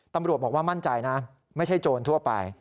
ตำรวจบอกว่ามั่นใจนะไม่ใช่โจรทั่วไป